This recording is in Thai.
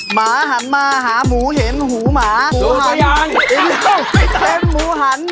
หมาหันมาหาหมูเห็นหูหมาหูหัน